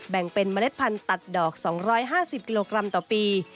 แบ่งเป็นเมล็ดพันธุ์ตัดดอก๒๕๐กิโลกรัมต่อปี